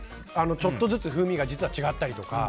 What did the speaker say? ちょっとずつ風味が実は違ったりとか。